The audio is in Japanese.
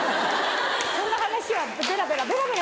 そんな話はベラベラベラベラ。